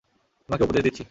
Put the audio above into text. তোমাকে উপদেশ দিচ্ছি।